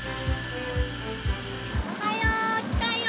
おはよう！来たよ！